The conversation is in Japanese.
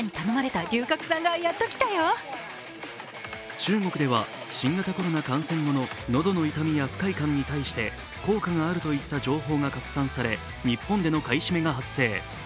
中国では新型コロナ感染後の喉の痛みや不快感に対して効果があるといった情報が拡散され日本での買い占めが発生。